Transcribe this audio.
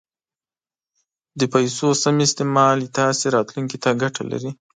د پیسو سم استعمال ستاسو راتلونکي ته ګټه لري.